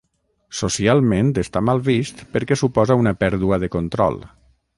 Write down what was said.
Socialment està mal vist perquè suposa una pèrdua de control.